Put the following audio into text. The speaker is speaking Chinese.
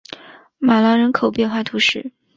马朗人口变化图示